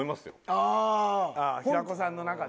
ああ平子さんの中での？